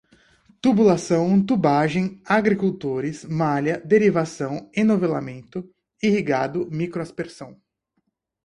tubulação, tubagem, agricultores, malha, derivação, enovelamento, irrigado, microaspersão